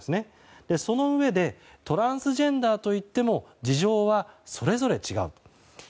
そのうえでトランスジェンダーといっても事情はそれぞれ違う。